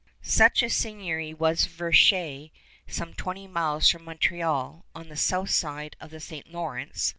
Such a seigniory was Verchères, some twenty miles from Montreal, on the south side of the St. Lawrence.